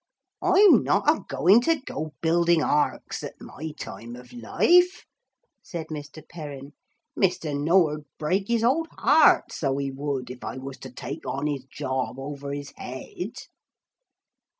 'I'm not a going to go building arks, at my time of life,' said Mr. Perrin. 'Mr. Noah'd break his old heart, so he would, if I was to take on his job over his head.'